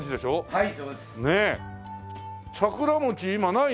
はい。